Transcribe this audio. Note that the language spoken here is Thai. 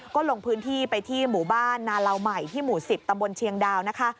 ก็ลงพื้นที่ไปที่หมู่บ้านนาเหลาใหม่ที่หมู่๑๐ตำบลเชียงดาวนะคะ